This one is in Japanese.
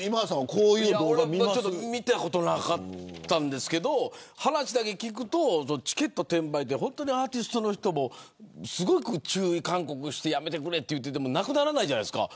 こういう動画見ますか見たことなかったんですけど話だけ聞くとチケット転売ってアーティストの人もすごく注意喚起していてやめてくれといってもなくならないじゃないですか。